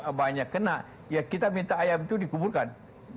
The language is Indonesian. kalau banyak kena ya kita minta ayam itu dikuburkan